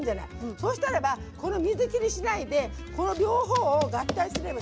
そうしたらばこの水切りしないでこの両方を合体すれば。